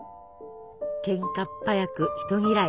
けんかっ早く人嫌い。